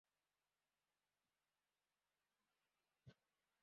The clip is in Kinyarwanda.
Imbwa yijimye ihagaze ku mucanga iruhande rwa yubururu